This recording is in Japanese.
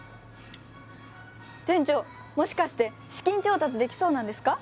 店長もしかして資金調達できそうなんですか。